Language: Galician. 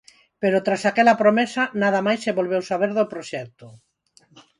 Pero tras aquela promesa, nada máis se volveu saber do proxecto.